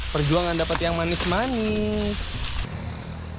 perjuangan dapat yang manis manis